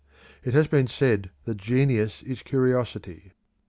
It has been said that genius is curiosity.